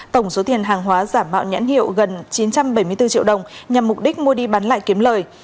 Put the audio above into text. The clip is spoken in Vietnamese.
tổng số tiền hàng hóa giả mạo nhãn hiệu gần chín trăm bảy mươi bốn triệu đồng nhằm mục đích mua đi bán lại kiếm lời